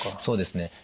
そうですね。